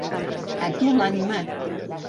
A què l'ha animat?